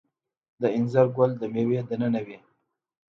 د انځر ګل د میوې دننه وي؟